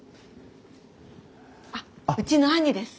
あっうちの兄です。